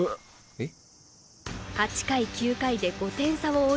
えっ？